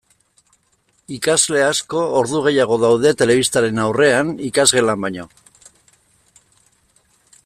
Ikasle asko ordu gehiago daude telebistaren aurrean ikasgelan baino.